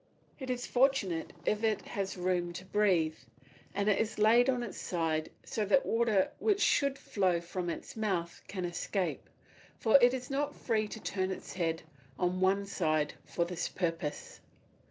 It is fortunate if it has room to breathe, and it is laid on its side so that water which should flow from its mouth can escape, for it is not free to turn its head on one side for this purpose.